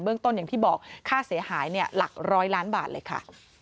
ต้นอย่างที่บอกค่าเสียหายหลักร้อยล้านบาทเลยค่ะ